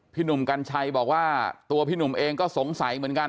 หนุ่มกัญชัยบอกว่าตัวพี่หนุ่มเองก็สงสัยเหมือนกัน